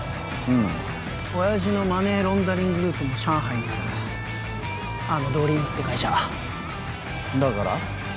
うん親爺のマネーロンダリングルートも上海にあるあのドリームって会社だから？